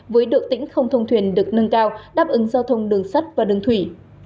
với độ tĩnh không thông thuyền được nâng cao đáp ứng giao thông đường sắt và đường thủy